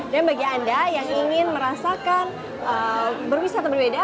dan bagi anda yang ingin merasakan berwisata berbeda